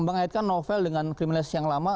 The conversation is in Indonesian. embangaitkan novel dengan kriminalis yang lama